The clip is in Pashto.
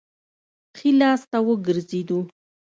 ښي لاس ته وګرځېدو.